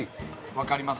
◆分かります。